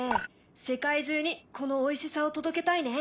世界中にこのおいしさを届けたいね。